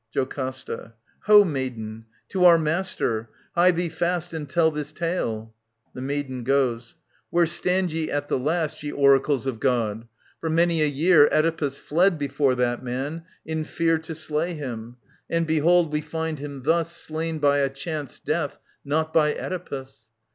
JoCASTA. I Ho, maiden I To our master ! Hie thee fast And tell this tale. [The maiden goes. Where stand ye at the last 53 SOPHOCLES w». 948 961 Ye oracles of God ? For many a year Oedipus fled before that man, in fear To slay him. And behold we find him thus Slain by a chance death, not by Oedipus.